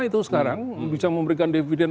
itu sekarang bisa memberikan dividen